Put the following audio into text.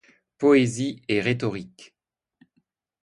Poésie et rhétorique.